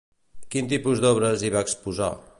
Quin tipus d'obres hi va exposar?